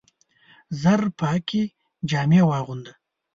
ژر پاکي جامې واغونده !